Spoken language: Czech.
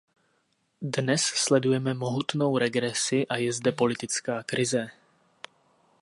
Dnes sledujeme mohutnou regresi a je zde politická krize.